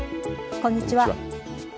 こんにちは。